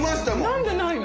何でないの？